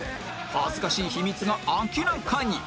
恥ずかしい秘密が明らかに！